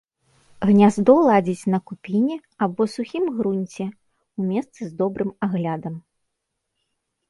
Гняздо ладзіць на купіне або сухім грунце, у месцы з добрым аглядам.